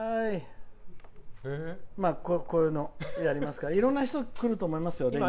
こういうのやりますからいろんな人くると思いますよ。